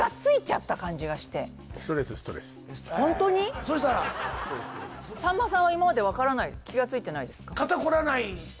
ストレスさんまさんは今まで分からない気がついてないですか